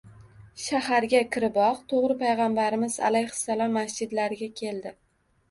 Shaharga kiriboq, to‘g‘ri Payg‘ambarimiz alayhissalom masjidlariga keldi